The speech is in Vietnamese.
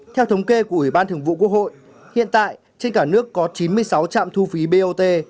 theo thống kê của ủy ban thường vụ quốc hội hiện tại trên cả nước có chín mươi sáu trạm thu phí bot